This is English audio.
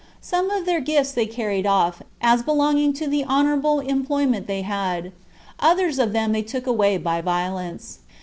Some of their gifts they carried off, as belonging to the honorable employment they had; others of them they took away by violence.